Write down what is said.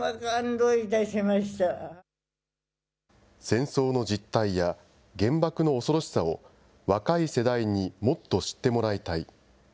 戦争の実態や、原爆の恐ろしさを若い世代にもっと知ってもらいたい。